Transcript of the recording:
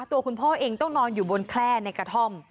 ตัวคุณพ่อเองต้องนอนอยู่บนแคล่ในกระท่อม